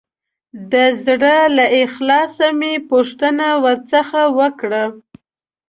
د زړه له اخلاصه مې پوښتنه ورڅخه وکړه.